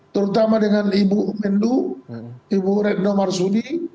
terutama dengan ibu mendu ibu redno marsudi